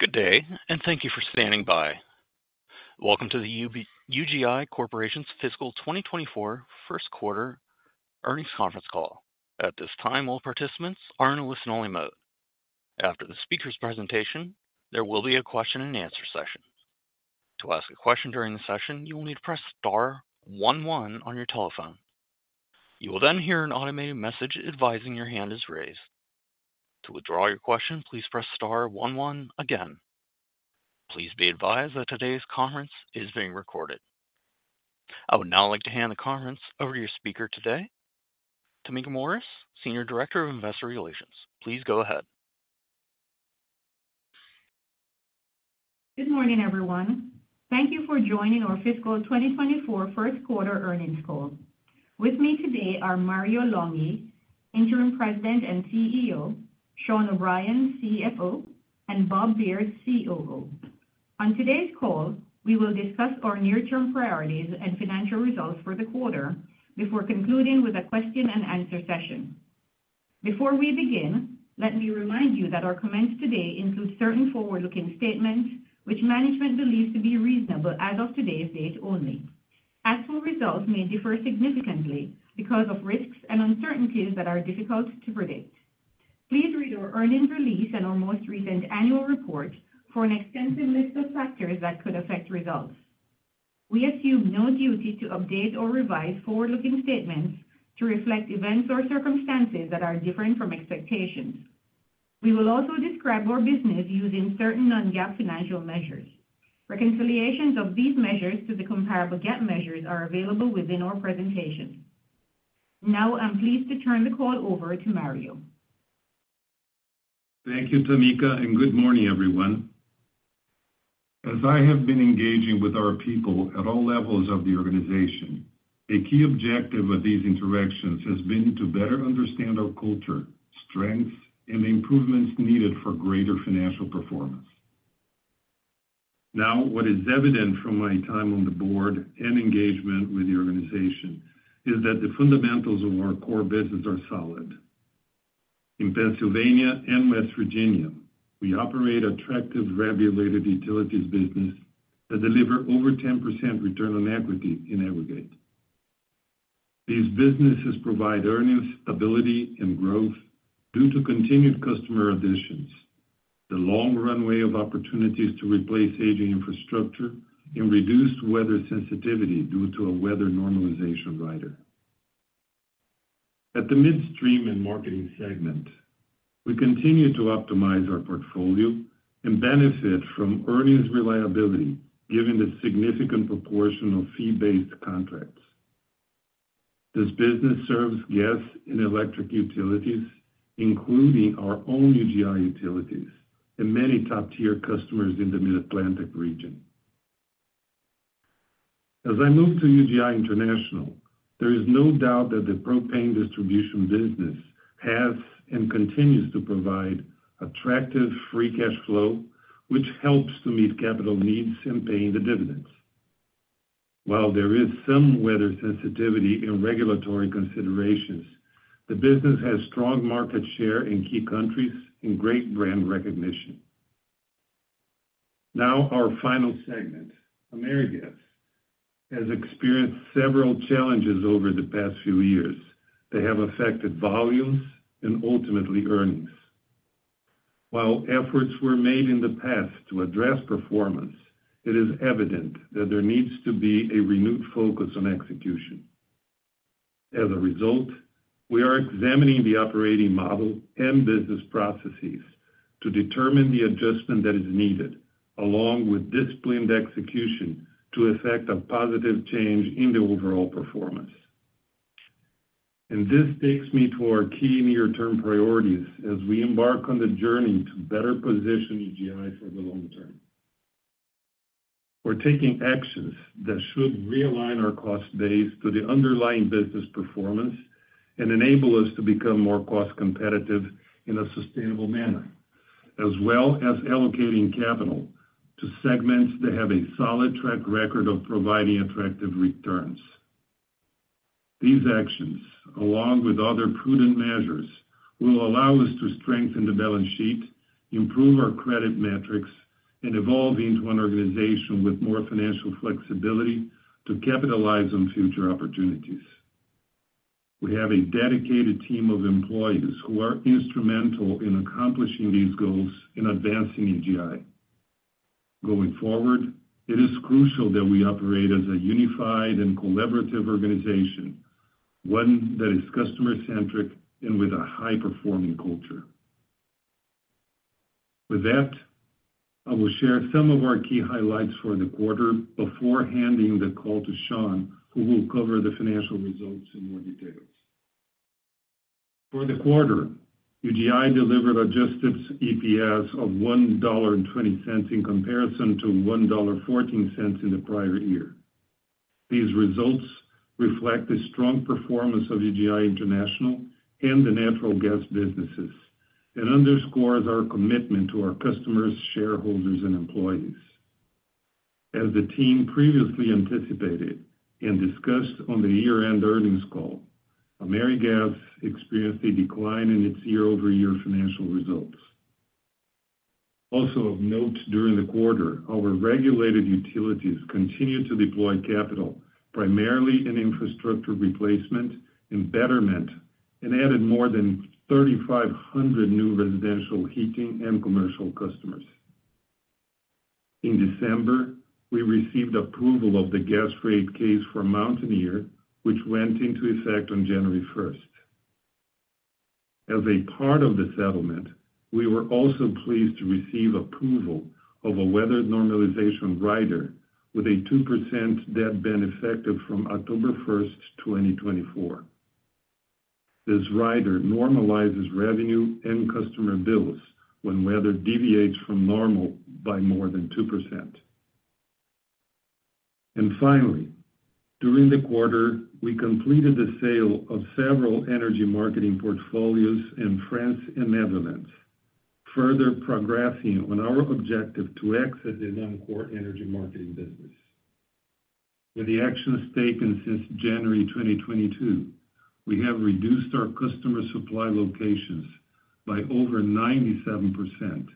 Good day, and thank you for standing by. Welcome to UGI Corporation's Fiscal 2024 first quarter earnings conference call. At this time, all participants are in a listen-only mode. After the speaker's presentation, there will be a question-and-answer session. To ask a question during the session, you will need to press star one one on your telephone. You will then hear an automated message advising your hand is raised. To withdraw your question, please press star one one again. Please be advised that today's conference is being recorded. I would now like to hand the conference over to your speaker today, Tameka Morris, Senior Director of Investor Relations. Please go ahead. Good morning, everyone. Thank you for joining our fiscal 2024 first quarter earnings call. With me today are Mario Longhi, Interim President and CEO, Sean O'Brien, CFO, and Bob Beard, COO. On today's call, we will discuss our near-term priorities and financial results for the quarter before concluding with a question-and-answer session. Before we begin, let me remind you that our comments today include certain forward-looking statements which management believes to be reasonable as of today's date only. Actual results may differ significantly because of risks and uncertainties that are difficult to predict. Please read our earnings release and our most recent annual report for an extensive list of factors that could affect results. We assume no duty to update or revise forward-looking statements to reflect events or circumstances that are different from expectations. We will also describe our business using certain non-GAAP financial measures. Reconciliations of these measures to the comparable GAAP measures are available within our presentation. Now, I'm pleased to turn the call over to Mario. Thank you, Tameka, and good morning, everyone. As I have been engaging with our people at all levels of the organization, a key objective of these interactions has been to better understand our culture, strengths, and the improvements needed for greater financial performance. Now, what is evident from my time on the board and engagement with the organization is that the fundamentals of our core business are solid. In Pennsylvania and West Virginia, we operate attractive regulated utilities business that deliver over 10% return on equity in aggregate. These businesses provide earnings, stability, and growth due to continued customer additions, the long runway of opportunities to replace aging infrastructure, and reduced weather sensitivity due to a Weather Normalization Rider. At the Midstream and Marketing segment, we continue to optimize our portfolio and benefit from earnings reliability, given the significant proportion of fee-based contracts. This business serves gas and electric utilities, including our own UGI Utilities and many top-tier customers in the Mid-Atlantic region. As I move to UGI International, there is no doubt that the propane distribution business has and continues to provide attractive free cash flow, which helps to meet capital needs and paying the dividends. While there is some weather sensitivity and regulatory considerations, the business has strong market share in key countries and great brand recognition. Now, our final segment, AmeriGas, has experienced several challenges over the past few years that have affected volumes and ultimately earnings. While efforts were made in the past to address performance, it is evident that there needs to be a renewed focus on execution. As a result, we are examining the operating model and business processes to determine the adjustment that is needed, along with disciplined execution to effect a positive change in the overall performance. This takes me to our key near-term priorities as we embark on the journey to better position UGI for the long term. We're taking actions that should realign our cost base to the underlying business performance and enable us to become more cost-competitive in a sustainable manner, as well as allocating capital to segments that have a solid track record of providing attractive returns. These actions, along with other prudent measures, will allow us to strengthen the balance sheet, improve our credit metrics, and evolve into an organization with more financial flexibility to capitalize on future opportunities. We have a dedicated team of employees who are instrumental in accomplishing these goals in advancing UGI. Going forward, it is crucial that we operate as a unified and collaborative organization, one that is customer-centric and with a high-performing culture. With that, I will share some of our key highlights for the quarter before handing the call to Sean, who will cover the financial results in more details. For the quarter, UGI delivered adjusted EPS of $1.20 in comparison to $1.14 in the prior year. These results reflect the strong performance of UGI International and the natural gas businesses and underscores our commitment to our customers, shareholders, and employees... as the team previously anticipated and discussed on the year-end earnings call, AmeriGas experienced a decline in its year-over-year financial results. Also of note, during the quarter, our regulated utilities continued to deploy capital, primarily in infrastructure replacement and betterment, and added more than 3,500 new residential, heating, and commercial customers. In December, we received approval of the gas rate case for Mountaineer, which went into effect on January 1. As a part of the settlement, we were also pleased to receive approval of a weather normalization rider with a 2% dead band, effective from October 1, 2024. This rider normalizes revenue and customer bills when weather deviates from normal by more than 2%. Finally, during the quarter, we completed the sale of several energy marketing portfolios in France and the Netherlands, further progressing on our objective to exit the non-core energy marketing business. With the actions taken since January 2022, we have reduced our customer supply locations by over 97%,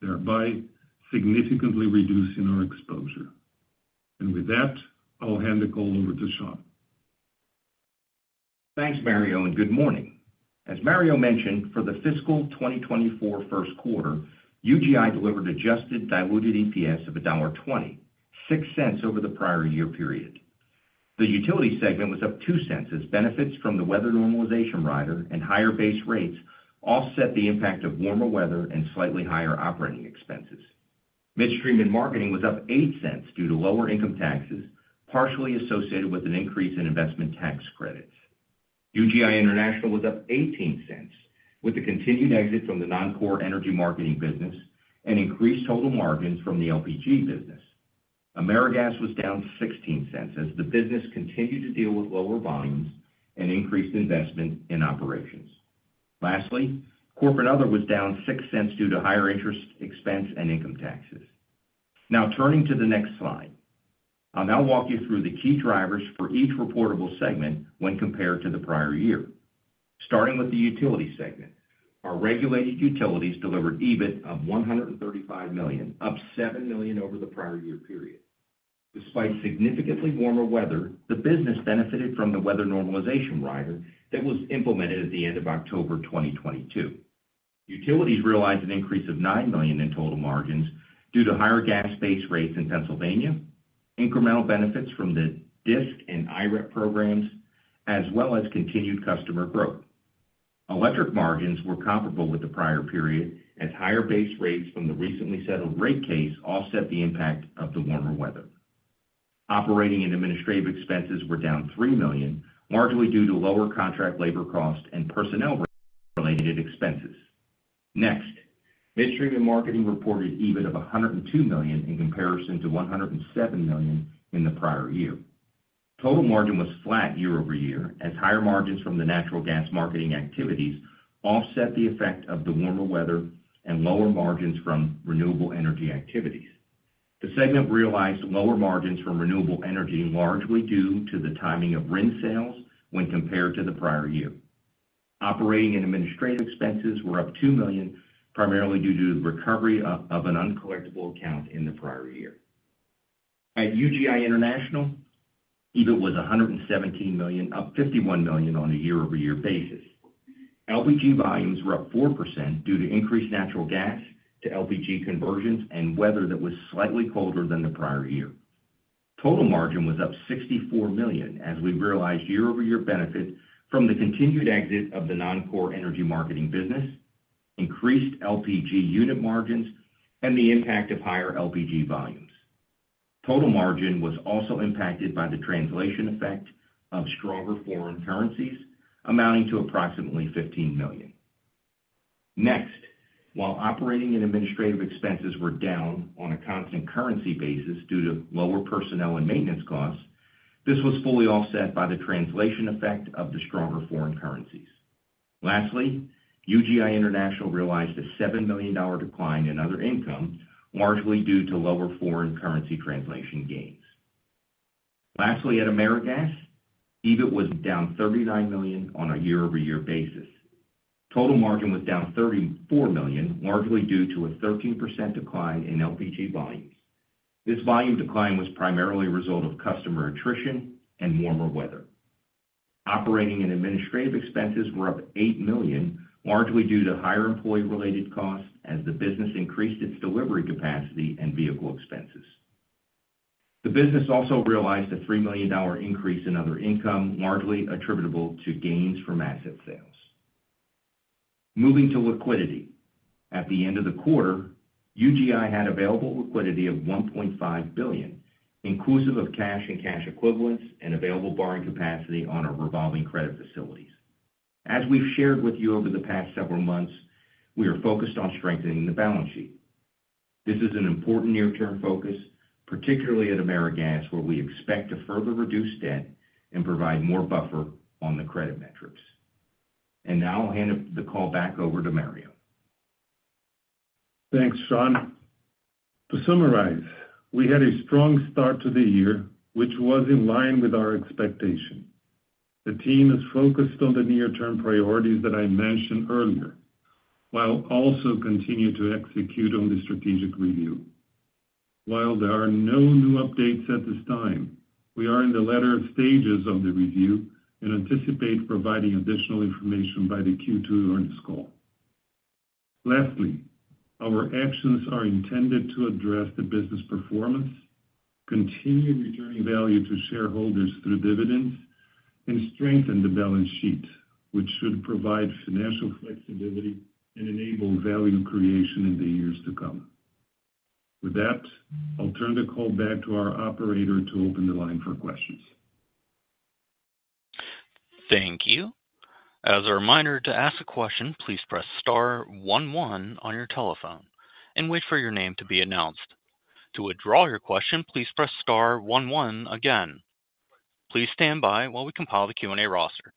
thereby significantly reducing our exposure. With that, I'll hand the call over to Sean. Thanks, Mario, and good morning. As Mario mentioned, for the fiscal 2024 first quarter, UGI delivered adjusted diluted EPS of $1.26, six cents over the prior year period. The utility segment was up $0.02, as benefits from the weather normalization rider and higher base rates offset the impact of warmer weather and slightly higher operating expenses. Midstream and Marketing was up $0.08 due to lower income taxes, partially associated with an increase in investment tax credits. UGI International was up $0.18, with the continued exit from the non-core energy marketing business and increased total margins from the LPG business. AmeriGas was down $0.16 as the business continued to deal with lower volumes and increased investment in operations. Lastly, Corporate Other was down $0.06 due to higher interest expense and income taxes. Now turning to the next slide. I'll now walk you through the key drivers for each reportable segment when compared to the prior year. Starting with the utility segment, our regulated utilities delivered EBIT of $135 million, up $7 million over the prior year period. Despite significantly warmer weather, the business benefited from the weather normalization rider that was implemented at the end of October 2022. Utilities realized an increase of $9 million in total margins due to higher gas base rates in Pennsylvania, incremental benefits from the DSIC and IREP programs, as well as continued customer growth. Electric margins were comparable with the prior period, as higher base rates from the recently settled rate case offset the impact of the warmer weather. Operating and administrative expenses were down $3 million, largely due to lower contract labor cost and personnel-related expenses. Next, Midstream and Marketing reported EBIT of $102 million in comparison to $107 million in the prior year. Total margin was flat year-over-year, as higher margins from the natural gas marketing activities offset the effect of the warmer weather and lower margins from renewable energy activities. The segment realized lower margins from renewable energy, largely due to the timing of RIN sales when compared to the prior year. Operating and administrative expenses were up $2 million, primarily due to the recovery of an uncollectible account in the prior year. At UGI International, EBIT was $117 million, up $51 million on a year-over-year basis. LPG volumes were up 4% due to increased natural gas to LPG conversions and weather that was slightly colder than the prior year. Total margin was up $64 million, as we realized year-over-year benefits from the continued exit of the non-core energy marketing business, increased LPG unit margins, and the impact of higher LPG volumes. Total margin was also impacted by the translation effect of stronger foreign currencies, amounting to approximately $15 million. Next, while operating and administrative expenses were down on a constant currency basis due to lower personnel and maintenance costs, this was fully offset by the translation effect of the stronger foreign currencies. Lastly, UGI International realized a $7 million decline in other income, largely due to lower foreign currency translation gains. Lastly, at AmeriGas, EBIT was down $39 million on a year-over-year basis. Total margin was down $34 million, largely due to a 13% decline in LPG volumes. This volume decline was primarily a result of customer attrition and warmer weather. Operating and administrative expenses were up $8 million, largely due to higher employee-related costs as the business increased its delivery capacity and vehicle expenses. The business also realized a $3 million increase in other income, largely attributable to gains from asset sales. Moving to liquidity. At the end of the quarter, UGI had available liquidity of $1.5 billion, inclusive of cash and cash equivalents and available borrowing capacity on our revolving credit facilities. As we've shared with you over the past several months, we are focused on strengthening the balance sheet. This is an important near-term focus, particularly at AmeriGas, where we expect to further reduce debt and provide more buffer on the credit metrics. And now I'll hand the call back over to Mario. Thanks, Sean. To summarize, we had a strong start to the year, which was in line with our expectation. The team is focused on the near-term priorities that I mentioned earlier, while also continue to execute on the strategic review. While there are no new updates at this time, we are in the latter stages of the review and anticipate providing additional information by the Q2 earnings call. Lastly, our actions are intended to address the business performance, continue returning value to shareholders through dividends, and strengthen the balance sheet, which should provide financial flexibility and enable value creation in the years to come. With that, I'll turn the call back to our operator to open the line for questions. Thank you. As a reminder, to ask a question, please press star one, one on your telephone and wait for your name to be announced. To withdraw your question, please press star one, one again. Please stand by while we compile the Q&A roster.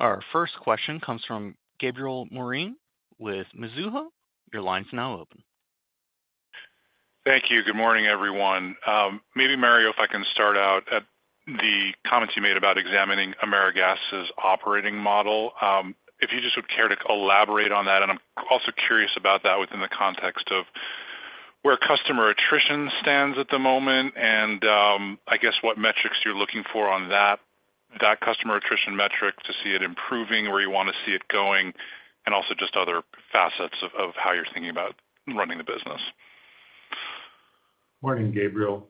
Our first question comes from Gabriel Moreen with Mizuho. Your line is now open. Thank you. Good morning, everyone. Maybe, Mario, if I can start out at the comments you made about examining AmeriGas's operating model. If you just would care to elaborate on that, and I'm also curious about that within the context of where customer attrition stands at the moment, and, I guess what metrics you're looking for on that, that customer attrition metric to see it improving, where you wanna see it going, and also just other facets of how you're thinking about running the business. Morning, Gabriel.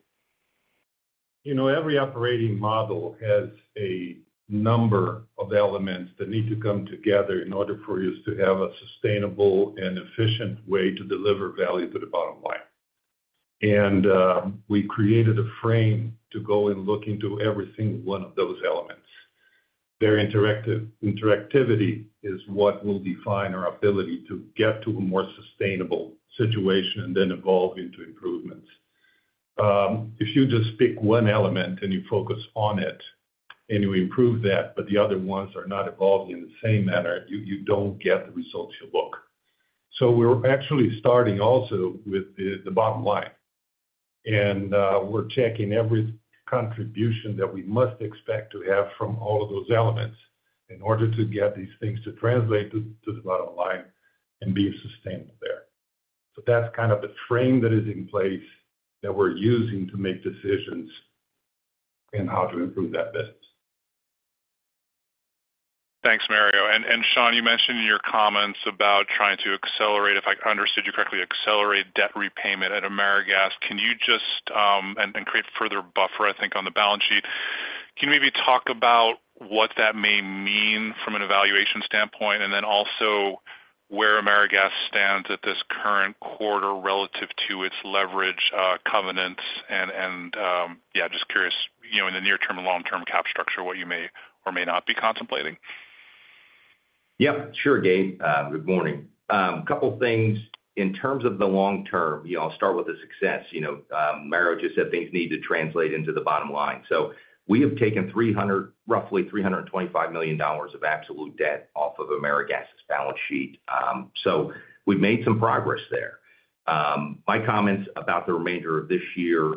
You know, every operating model has a number of elements that need to come together in order for us to have a sustainable and efficient way to deliver value to the bottom line. We created a frame to go and look into every single one of those elements. Their interactivity is what will define our ability to get to a more sustainable situation and then evolve into improvements. If you just pick one element and you focus on it and you improve that, but the other ones are not evolving in the same manner, you, you don't get the results you look. So we're actually starting also with the bottom line, and we're checking every contribution that we must expect to have from all of those elements in order to get these things to translate to the bottom line and be sustainable there. So that's kind of the frame that is in place that we're using to make decisions in how to improve that business. Thanks, Mario. And Sean, you mentioned in your comments about trying to accelerate, if I understood you correctly, accelerate debt repayment at AmeriGas. Can you just... And create further buffer, I think, on the balance sheet. Can you maybe talk about what that may mean from a valuation standpoint, and then also where AmeriGas stands at this current quarter relative to its leverage covenants? And yeah, just curious, you know, in the near term and long-term cap structure, what you may or may not be contemplating. Yep, sure, Gabe. Good morning. Couple things. In terms of the long term, you know, I'll start with the success. Mario just said things need to translate into the bottom line. We have taken roughly $325 million of absolute debt off of AmeriGas's balance sheet. So we've made some progress there. My comments about the remainder of this year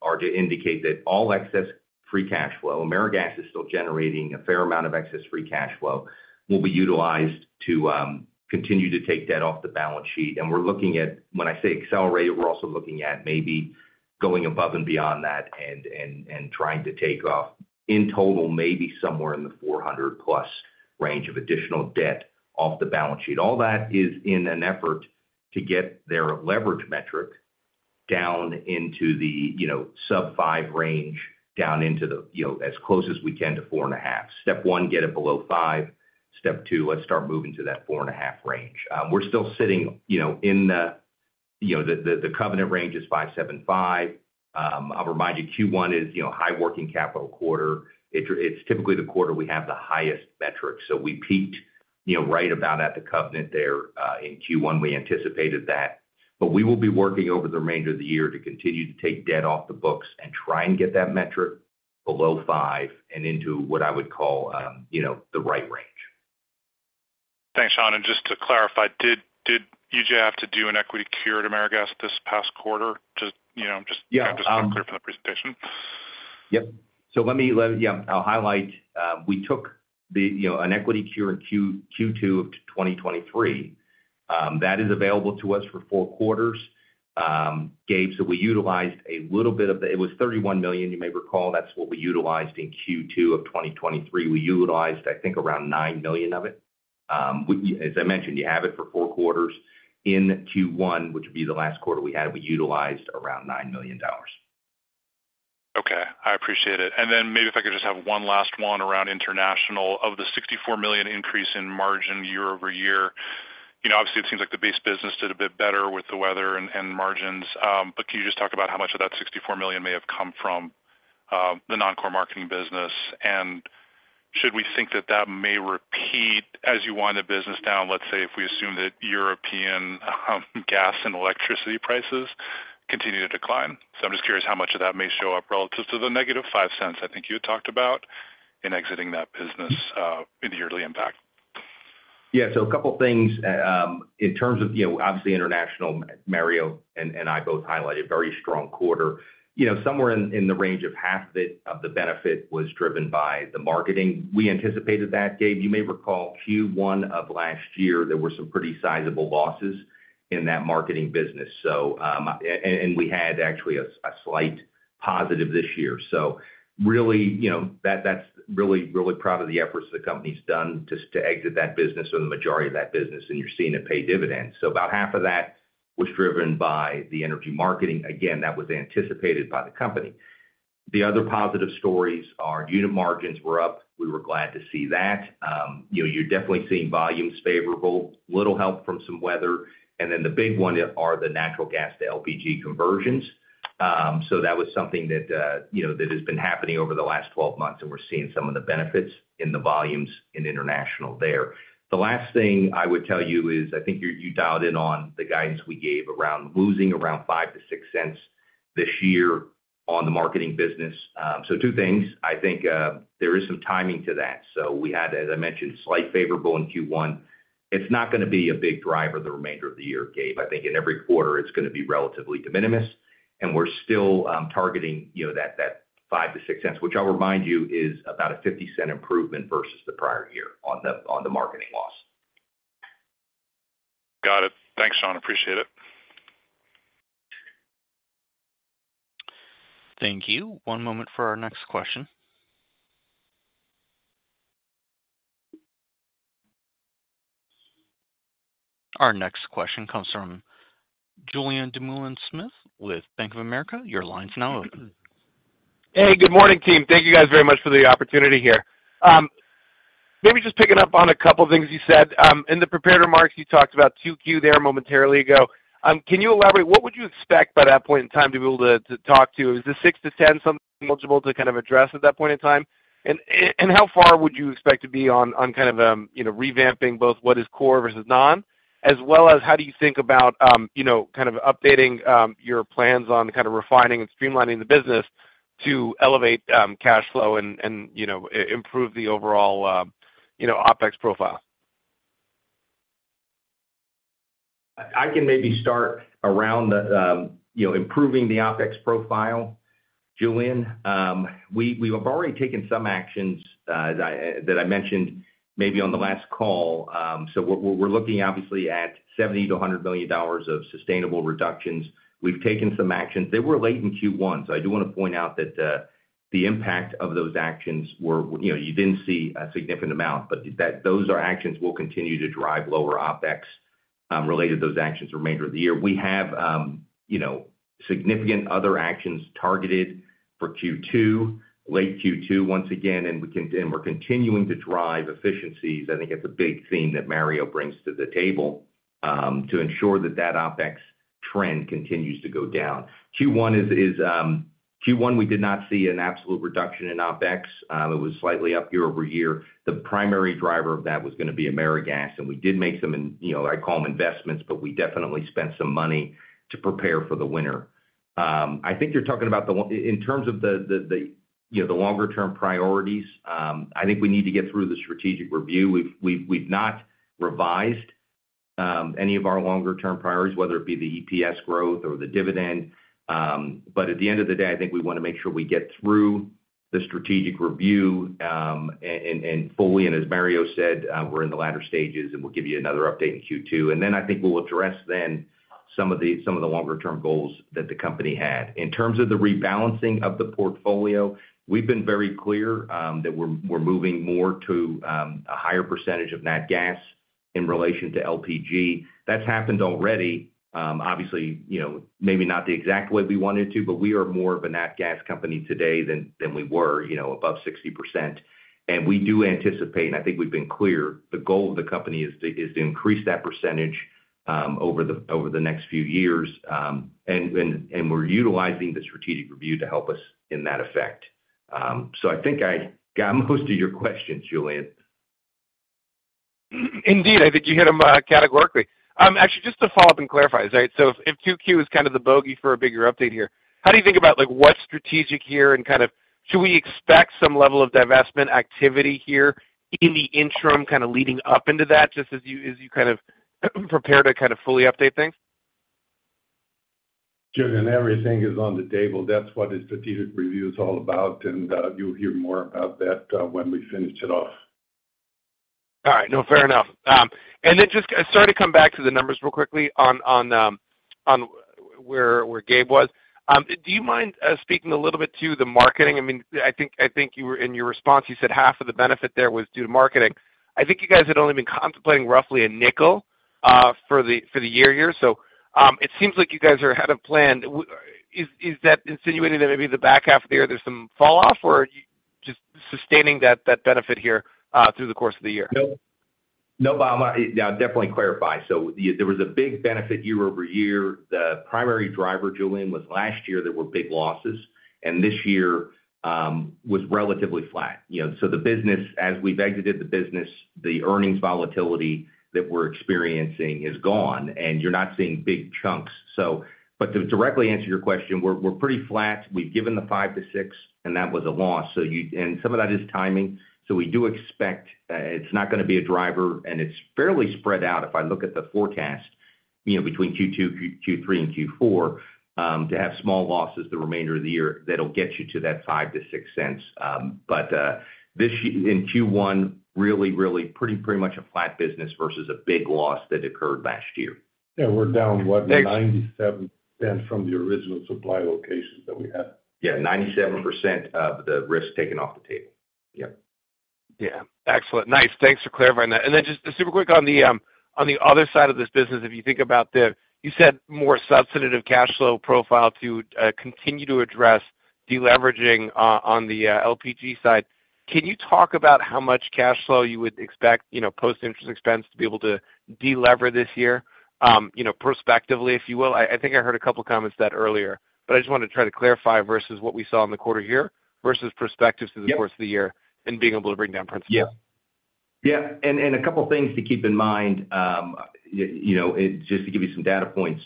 are to indicate that all excess free cash flow, AmeriGas is still generating a fair amount of excess free cash flow, will be utilized to continue to take debt off the balance sheet. And we're looking at, when I say accelerate, we're also looking at maybe going above and beyond that and trying to take off, in total, maybe somewhere in the $400+ range of additional debt off the balance sheet. All that is in an effort to get their leverage metric down into the, you know, sub 5 range, down into the, you know, as close as we can to 4.5. Step one, get it below 5. Step two, let's start moving to that 4.5 range. We're still sitting, you know, in the, you know, the covenant range is 5.75. I'll remind you, Q1 is, you know, high working capital quarter. It's typically the quarter we have the highest metrics, so we peaked, you know, right about at the covenant there, in Q1, we anticipated that. But we will be working over the remainder of the year to continue to take debt off the books and try and get that metric below 5 and into what I would call, you know, the right range. Thanks, Sean. Just to clarify, did UGI have to do an Equity Cure at AmeriGas this past quarter? Just, you know, just- Yeah, um. clear from the presentation. Yep. So let me. Yeah, I'll highlight. We took, you know, an Equity Cure in Q2 of 2023. That is available to us for four quarters. Gabe, so we utilized a little bit of it. It was $31 million, you may recall. That's what we utilized in Q2 of 2023. We utilized, I think, around $9 million of it. We, as I mentioned, you have it for four quarters. In Q1, which would be the last quarter we had, we utilized around $9 million. Okay, I appreciate it. Then maybe if I could just have one last one around international. Of the $64 million increase in margin year-over-year, you know, obviously, it seems like the base business did a bit better with the weather and margins. But can you just talk about how much of that $64 million may have come from the non-core marketing business? And should we think that that may repeat as you wind the business down? Let's say, if we assume that European gas and electricity prices continue to decline. So I'm just curious how much of that may show up relative to the -$0.05, I think you had talked about in exiting that business, in the yearly impact. Yeah, so a couple of things. In terms of, you know, obviously, international, Mario and I both highlighted a very strong quarter. You know, somewhere in the range of half of it, the benefit was driven by the marketing. We anticipated that, Gabe. You may recall Q1 of last year, there were some pretty sizable losses in that marketing business. So, and we had actually a slight positive this year. So really, you know, that's really proud of the efforts the company's done to exit that business or the majority of that business, and you're seeing it pay dividends. So about half of that was driven by the energy marketing. Again, that was anticipated by the company. The other positive stories are unit margins were up. We were glad to see that. You know, you're definitely seeing volumes favorable, little help from some weather. And then the big one are the natural gas to LPG conversions. So that was something that, you know, that has been happening over the last 12 months, and we're seeing some of the benefits in the volumes in International there. The last thing I would tell you is, I think you dialed in on the guidance we gave around losing around $0.05-$0.06 this year on the marketing business. So two things: I think, there is some timing to that. So we had, as I mentioned, slight favorable in Q1. It's not going to be a big driver the remainder of the year, Gabe. I think in every quarter, it's going to be relatively de minimis, and we're still targeting, you know, that 5-6 cents, which I'll remind you is about a $0.50 improvement versus the prior year on the marketing loss. Got it. Thanks, Sean. Appreciate it. Thank you. One moment for our next question. Our next question comes from Julien Dumoulin-Smith with Bank of America. Your line's now open. Hey, good morning, team. Thank you guys very much for the opportunity here. Maybe just picking up on a couple of things you said. In the prepared remarks, you talked about 2Q there momentarily ago. Can you elaborate, what would you expect by that point in time to be able to, to talk to? Is this 6-10, something multiple to kind of address at that point in time? And, and how far would you expect to be on, on kind of, you know, revamping both what is core versus non, as well as how do you think about, you know, kind of updating, your plans on kind of refining and streamlining the business to elevate, cash flow and, and, you know, improve the overall, you know, OpEx profile? I can maybe start around the, you know, improving the OpEx profile, Julien. We have already taken some actions that I mentioned maybe on the last call. So what we're looking, obviously, at $70 million-$100 million of sustainable reductions. We've taken some actions. They were late in Q1, so I do want to point out that the impact of those actions were you know, you didn't see a significant amount, but those actions will continue to drive lower OpEx related to those actions the remainder of the year. We have you know, significant other actions targeted for Q2, late Q2, once again, and we're continuing to drive efficiencies. I think it's a big theme that Mario brings to the table to ensure that that OpEx trend continues to go down. Q1, we did not see an absolute reduction in OpEx. It was slightly up year-over-year. The primary driver of that was going to be AmeriGas, and we did make some—you know, I call them investments, but we definitely spent some money to prepare for the winter. I think you're talking about in terms of, you know, the longer term priorities. I think we need to get through the strategic review. We've not revised any of our longer term priorities, whether it be the EPS growth or the dividend. But at the end of the day, I think we want to make sure we get through the strategic review and fully, and as Mario said, we're in the latter stages, and we'll give you another update in Q2. And then I think we'll address some of the longer term goals that the company had. In terms of the rebalancing of the portfolio, we've been very clear that we're moving more to a higher percentage of nat gas in relation to LPG. That's happened already. Obviously, you know, maybe not the exact way we wanted to, but we are more of a nat gas company today than we were, you know, above 60%. We do anticipate, and I think we've been clear, the goal of the company is to increase that percentage over the next few years. And we're utilizing the strategic review to help us in that effect. So I think I got most of your questions, Julien. Indeed, I think you hit them categorically. Actually, just to follow up and clarify, right? So if 2Q is kind of the bogey for a bigger update here, how do you think about, like, what's strategic here and kind of should we expect some level of divestment activity here in the interim, kind of leading up into that, just as you, as you kind of prepare to kind of fully update things? Julien, everything is on the table. That's what a strategic review is all about, and you'll hear more about that when we finish it off. All right. No, fair enough. And then just—sorry to come back to the numbers real quickly on where Gabe was. Do you mind speaking a little bit to the marketing? I mean, I think you were—in your response, you said half of the benefit there was due to marketing. I think you guys had only been contemplating roughly a nickel for the year here. So, it seems like you guys are ahead of plan. Is that insinuating that maybe the back half of the year, there's some falloff, or are you just sustaining that benefit here through the course of the year? No, but I'm. I'll definitely clarify. So, there was a big benefit year-over-year. The primary driver, Julien, was last year, there were big losses, and this year, was relatively flat. You know, so the business, as we've exited the business, the earnings volatility that we're experiencing is gone, and you're not seeing big chunks. So, but to directly answer your question, we're pretty flat. We've given the $0.05-$0.06, and that was a loss. So you and some of that is timing, so we do expect, it's not going to be a driver, and it's fairly spread out if I look at the forecast, you know, between Q2, Q3, and Q4, to have small losses the remainder of the year, that'll get you to that $0.05-$0.06. But this year, in Q1, really, really pretty, pretty much a flat business versus a big loss that occurred last year. Yeah, we're down, what? 97% from the original supply locations that we had. Yeah, 97% of the risk taken off the table. Yep. Yeah. Excellent. Nice. Thanks for clarifying that. And then just super quick on the other side of this business, if you think about the... You said more substantive cash flow profile to continue to address deleveraging on the LPG side. Can you talk about how much cash flow you would expect, you know, post-interest expense to be able to delever this year, you know, prospectively, if you will? I think I heard a couple of comments that earlier, but I just wanted to try to clarify versus what we saw in the quarter here, versus perspectives- Yep. through the course of the year and being able to bring down principal. Yeah. Yeah, and a couple of things to keep in mind, you know, just to give you some data points,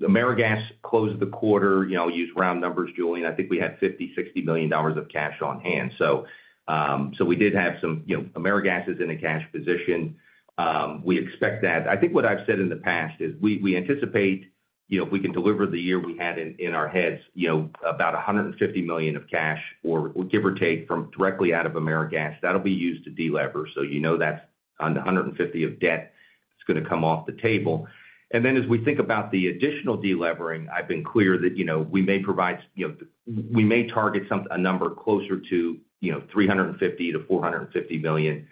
AmeriGas closed the quarter, you know, use round numbers, Julien, I think we had $50-$60 million of cash on hand. So, so we did have some, you know, AmeriGas is in a cash position. We expect that. I think what I've said in the past is we anticipate, you know, if we can deliver the year we had in our heads, you know, about $150 million of cash or give or take from directly out of AmeriGas, that'll be used to delever. So you know that's on the $150 million of debt, it's going to come off the table. As we think about the additional delevering, I've been clear that, you know, we may provide, you know, we may target a number closer to, you know, $350 million-$450 million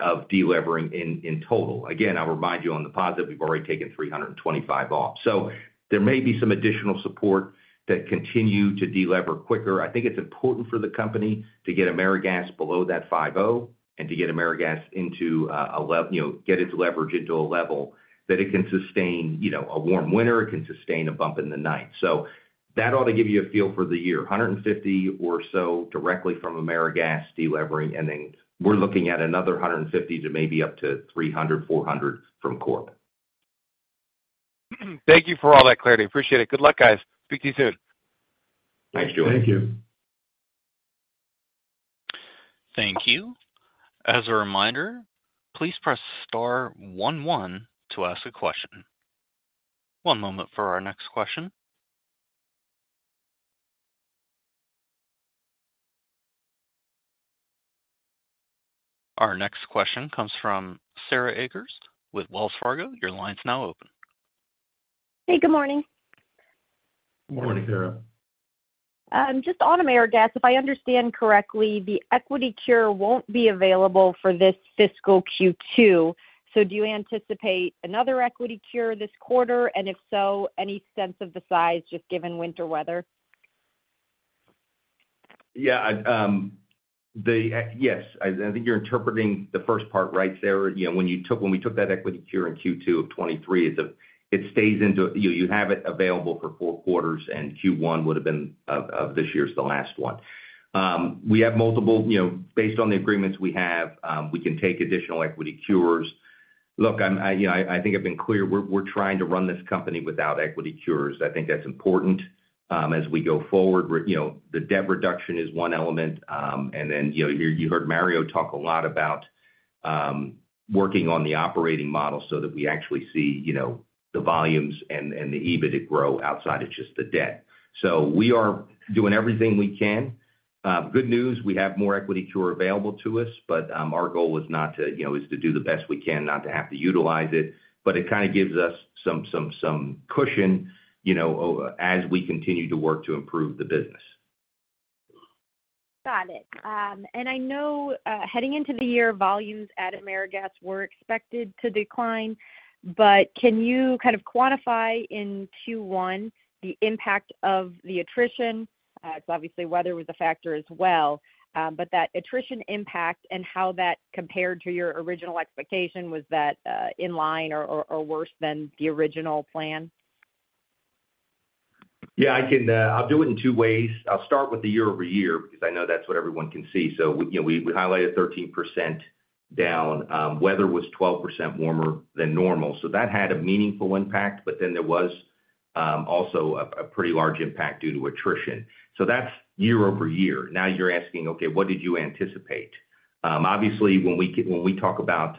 of delevering in total. Again, I'll remind you on the positive, we've already taken $325 million off. So there may be some additional support that continue to delever quicker. I think it's important for the company to get AmeriGas below that 5.0, and to get AmeriGas into a leverage, you know, get its leverage into a level that it can sustain, you know, a warm winter, it can sustain a bump in the night. So that ought to give you a feel for the year. 150 or so directly from AmeriGas delevering, and then we're looking at another 150 to maybe up to 300-400 from Corp. Thank you for all that clarity. Appreciate it. Good luck, guys. Speak to you soon. Thanks, Julian. Thank you. Thank you. As a reminder, please press Star one one to ask a question. One moment for our next question. Our next question comes from Sarah Akers with Wells Fargo. Your line's now open. Hey, good morning. Good morning, Sarah. Morning. Just on AmeriGas, if I understand correctly, the equity cure won't be available for this fiscal Q2. So do you anticipate another equity cure this quarter? And if so, any sense of the size, just given winter weather? Yeah, yes, you're interpreting the first part right, Sarah. When we took that equity cure in Q2 of 2023, it stays in, too. You have it available for four quarters, and Q1 would have been of this year is the last one. We have multiple, you know, based on the agreements we have, we can take additional equity cures. Look, I, you know, I think I've been clear, we're trying to run this company without equity cures. I think that's important as we go forward. The debt reduction is one element, and then, you know, you heard Mario talk a lot about working on the operating model so that we actually see the volumes and the EBITDA grow outside of just the debt. We are doing everything we can. Good news, we have more Equity Cure available to us, but our goal is not to, you know, is to do the best we can, not to have to utilize it, but it kind of gives us some cushion, you know, as we continue to work to improve the business. Got it. And I know, heading into the year, volumes at AmeriGas were expected to decline, but can you kind of quantify in Q1 the impact of the attrition? Because obviously, weather was a factor as well, but that attrition impact and how that compared to your original expectation, was that, in line or, or, worse than the original plan? Yeah, I can, I'll do it in two ways. I'll start with the year-over-year, because I know that's what everyone can see. So, you know, we, we highlighted 13% down. Weather was 12% warmer than normal, so that had a meaningful impact, but then there was also a pretty large impact due to attrition. So that's year-over-year. Now you're asking, okay, what did you anticipate? Obviously, when we talk about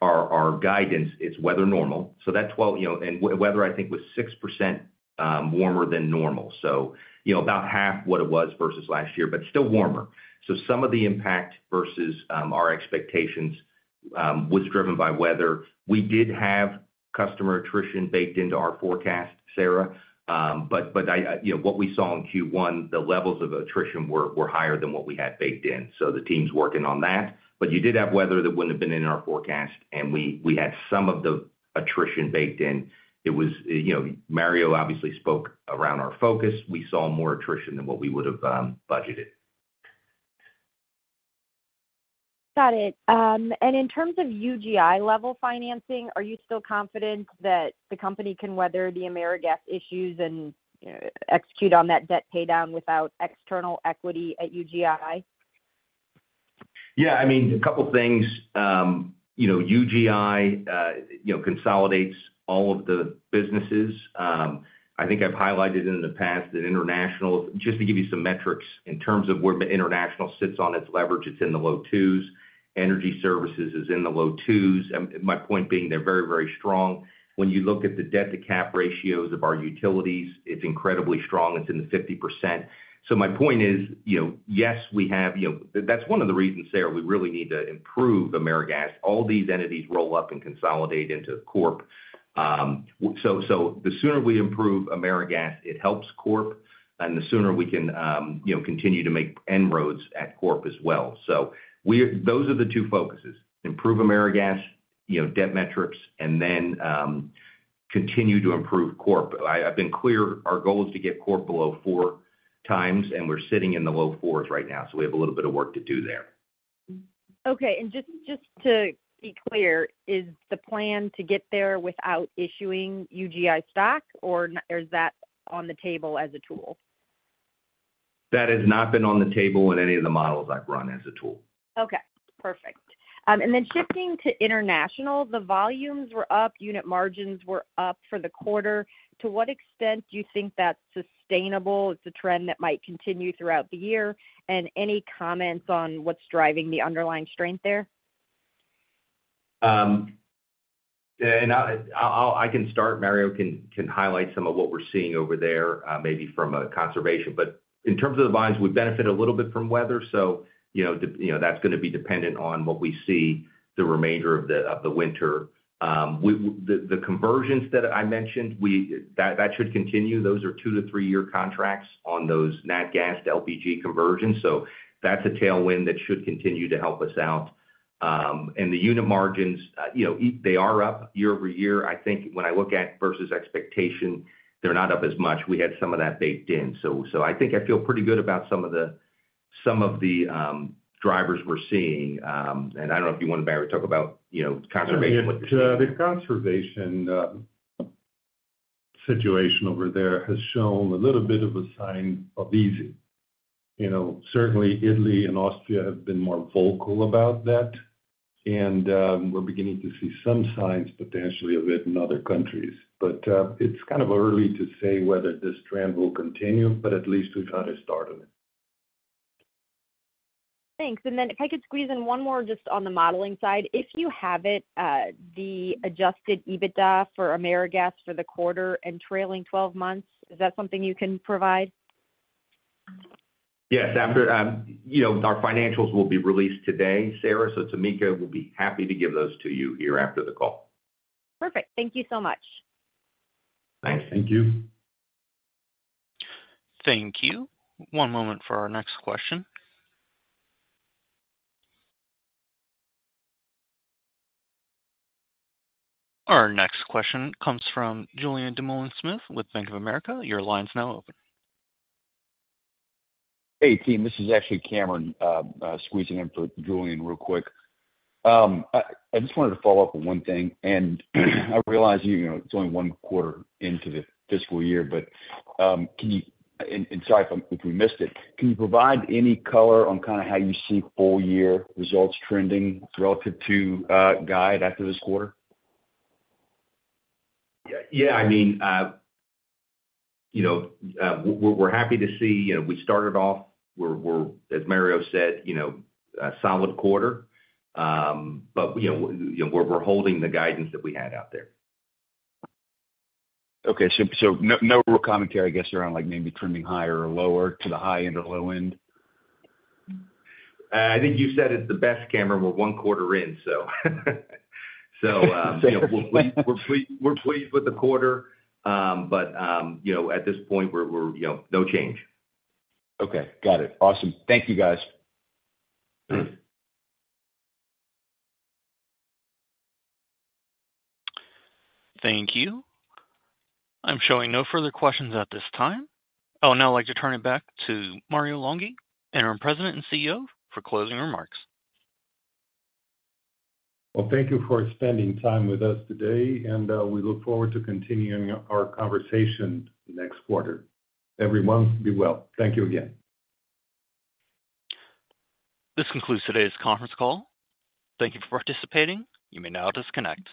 our guidance, it's weather normal, so that's why, you know, and weather, I think, was 6% warmer than normal. So, you know, about half what it was versus last year, but still warmer. So some of the impact versus our expectations was driven by weather. We did have customer attrition baked into our forecast, Sarah, but I, you know, what we saw in Q1, the levels of attrition were higher than what we had baked in, so the team's working on that. But you did have weather that wouldn't have been in our forecast, and we had some of the attrition baked in. It was, you know, Mario obviously spoke around our focus. We saw more attrition than what we would have budgeted.... Got it. And in terms of UGI level financing, are you still confident that the company can weather the AmeriGas issues and, you know, execute on that debt paydown without external equity at UGI? Yeah, I mean, a couple things. You know, UGI, you know, consolidates all of the businesses. I think I've highlighted in the past that international—Just to give you some metrics, in terms of where international sits on its leverage, it's in the low twos. Energy Services is in the low twos. My point being, they're very, very strong. When you look at the debt-to-cap ratios of our utilities, it's incredibly strong, it's in the 50%. So my point is, you know, yes, we have, you know—That's one of the reasons, Sarah, we really need to improve AmeriGas. All these entities roll up and consolidate into corp. So, so the sooner we improve AmeriGas, it helps Corp, and the sooner we can, you know, continue to make inroads at Corp as well. So those are the 2 focuses: improve AmeriGas, you know, debt metrics, and then continue to improve corp. I've been clear, our goal is to get Corp below 4x, and we're sitting in the low 4s right now, so we have a little bit of work to do there. Okay. And just to be clear, is the plan to get there without issuing UGI stock, or is that on the table as a tool? That has not been on the table in any of the models I've run as a tool. Okay, perfect. And then shifting to international, the volumes were up, unit margins were up for the quarter. To what extent do you think that's sustainable? It's a trend that might continue throughout the year, and any comments on what's driving the underlying strength there? Yeah, and I can start. Mario can highlight some of what we're seeing over there, maybe from a conservation. But in terms of the volumes, we benefit a little bit from weather. So you know, you know, that's gonna be dependent on what we see the remainder of the winter. The conversions that I mentioned, that should continue. Those are 2- to 3-year contracts on those nat gas to LPG conversions, so that's a tailwind that should continue to help us out. And the unit margins, you know, they are up year-over-year. I think when I look at versus expectation, they're not up as much. We had some of that baked in. So I think I feel pretty good about some of the, some of the drivers we're seeing. I don't know if you want to, Mario, talk about, you know, conservation, what you're seeing there. The conservation situation over there has shown a little bit of a sign of easing. You know, certainly Italy and Austria have been more vocal about that, and we're beginning to see some signs, potentially a bit in other countries. But it's kind of early to say whether this trend will continue, but at least we've had a start on it. Thanks. If I could squeeze in one more just on the modeling side. If you have it, the adjusted EBITDA for AmeriGas for the quarter and trailing twelve months, is that something you can provide? Yes, after, you know, our financials will be released today, Sarah, so Tameka will be happy to give those to you here after the call. Perfect. Thank you so much. Thanks. Thank you. Thank you. One moment for our next question. Our next question comes from Julien Dumoulin-Smith with Bank of America. Your line's now open. Hey, team, this is actually Cameron, squeezing in for Julian real quick. I just wanted to follow up on one thing, and I realize, you know, it's only one quarter into the fiscal year, but, can you... And sorry if we missed it. Can you provide any color on kind of how you see full year results trending relative to, guide after this quarter? Yeah. I mean, you know, we're happy to see, you know, we started off, we're, we're, as Mario said, you know, a solid quarter. But, you know, we're, we're holding the guidance that we had out there. Okay, so no real commentary, I guess, around like maybe trending higher or lower to the high end or low end? I think you said it the best, Cameron. We're one quarter in. We're pleased with the quarter. But you know, at this point, we're you know, no change. Okay. Got it. Awesome. Thank you, guys. Thank you. I'm showing no further questions at this time. I would now like to turn it back to Mario Longhi, Interim President and CEO, for closing remarks. Well, thank you for spending time with us today, and we look forward to continuing our conversation next quarter. Everyone, be well. Thank you again. This concludes today's conference call. Thank you for participating. You may now disconnect.